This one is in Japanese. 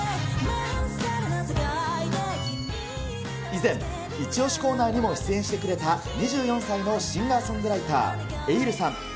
以前、イチオシコーナーにも出演してくれた２４歳のシンガーソングライター、エイルさん。